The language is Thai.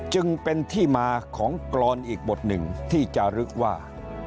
จึงเป็นที่มาของกรอนอีกบทหนึ่งที่จะลึกว่า